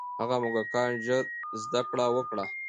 هغه موږکان ژر زده کړه وکړه.